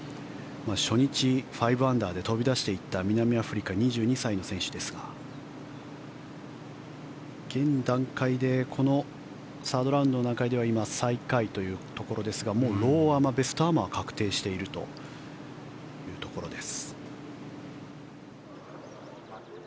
初日、５アンダーで飛び出していった南アフリカ、２２歳の選手ですが現段階でこのサードラウンドの段階では最下位というところですがもうローアマ、ベストアマは確定しているというところです。